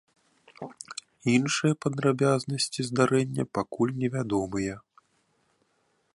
Іншыя падрабязнасці здарэння пакуль невядомыя.